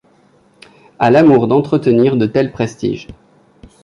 À l’amour d’entretenir de tels prestiges!